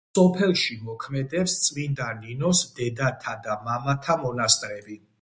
სოფელში მოქმედებს წმინდა ნინოს დედათა და მამათა მონასტრები.